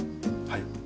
はい。